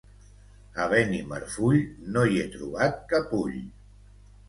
A Benimarfull no hi he trobat cap ull.